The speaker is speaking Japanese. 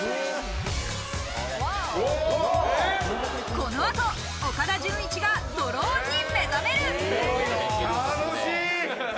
この後、岡田准一がドローンに目覚める。